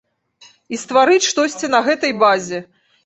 І стварыць штосьці на гэтай базе.